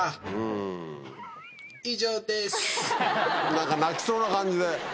何か泣きそうな感じで。